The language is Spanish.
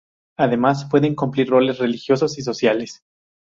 Además, pueden cumplir roles religiosos y sociales.